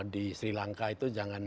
di sri lanka itu jangan